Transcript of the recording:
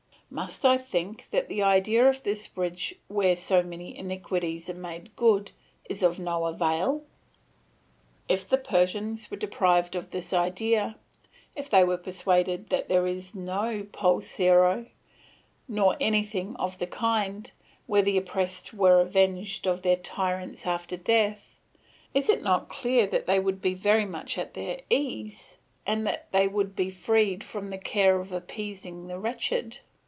Must I think that the idea of this bridge where so many iniquities are made good is of no avail? If the Persians were deprived of this idea, if they were persuaded that there was no Poul Serrho, nor anything of the kind, where the oppressed were avenged of their tyrants after death, is it not clear that they would be very much at their ease, and they would be freed from the care of appeasing the wretched?